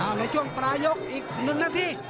เอาไหล่ช่วงปะลายกอีกหนึ่งนาที